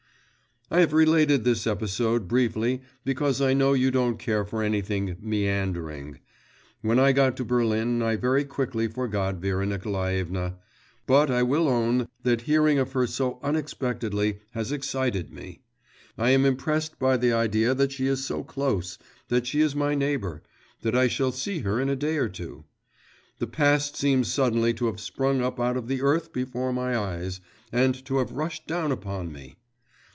I have related this episode briefly because I know you don't care for anything 'meandering.' When I got to Berlin I very quickly forgot Vera Nikolaevna.… But I will own that hearing of her so unexpectedly has excited me. I am impressed by the idea that she is so close, that she is my neighbour, that I shall see her in a day or two. The past seems suddenly to have sprung up out of the earth before my eyes, and to have rushed down upon me.